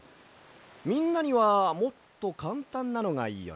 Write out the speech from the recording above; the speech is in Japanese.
みんなにはもっとかんたんなのがいいよね。